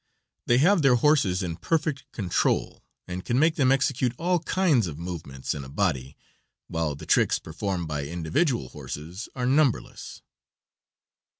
They have their horses in perfect control, and can make them execute all kinds of movements in a body, while the tricks performed by individual horses are numberless.